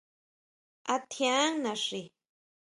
¿A tjián naxi?